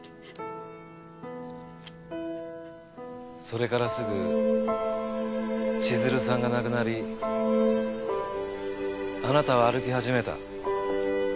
それからすぐ千鶴さんが亡くなりあなたは歩き始めた。